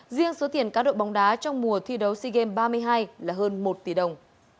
riêng số tiền cá độ bóng đá trong mùa thi đấu sea games ba mươi hai là hơn một tỷ đồng